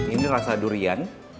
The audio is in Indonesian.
ini rasa durian